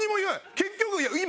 結局今。